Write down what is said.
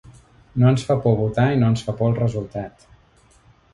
No ens fa por votar i no ens fa por el resultat.